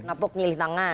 ngabuk nyilih tangan